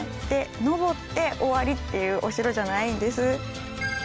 上って終わりというお城じゃないんです。